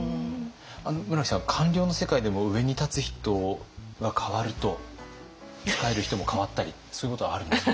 村木さん官僚の世界でも上に立つ人が代わると仕える人も代わったりそういうことはあるんですか？